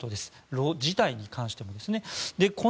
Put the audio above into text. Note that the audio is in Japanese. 炉自体に関してもですね。